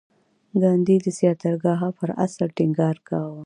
ګاندي د ساتیاګراها پر اصل ټینګار کاوه.